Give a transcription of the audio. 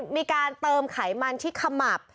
มีการเติมไขมันที่ขมับ